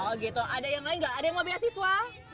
oh gitu ada yang lain nggak ada yang mau beasiswa